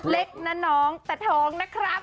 เล็กนะน้องแต่ท้องนะครับ